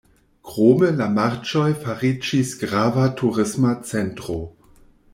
Krome, la marĉoj fariĝis grava turisma centro.